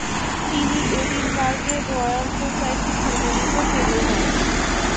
তিনি এডিনবার্গের royal society সম্মানিত ফেলো হন।